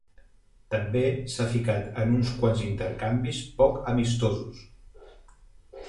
També s'ha ficat en uns quants intercanvis poc amistosos.